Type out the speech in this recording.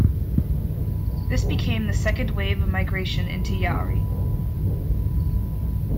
This became the second wave of migration into Yauri.